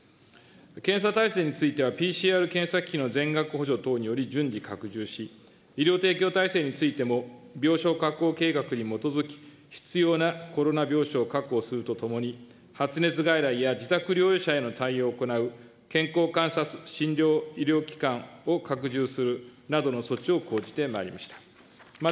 検査体制については、ＰＣＲ検査機器の全額補助等により、順次、拡充し、医療提供体制についても病床確保計画に基づき、必要なコロナ病床を確保するとともに、発熱外来や自宅療養者への対応を行う、健康観察診療医療機関を拡充するなどの措置を講じてまいりました。